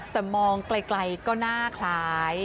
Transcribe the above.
แต่มองไกลก็หน้าคล้าย